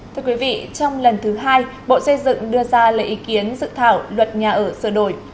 thưa quý vị trong lần thứ hai bộ xây dựng đưa ra lời ý kiến dự thảo luật nhà ở sửa đổi